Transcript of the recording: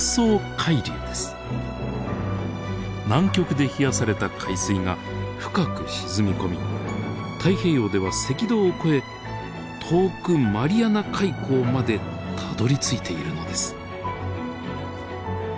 南極で冷やされた海水が深く沈み込み太平洋では赤道を越え遠くマリアナ海溝までたどりついているのです。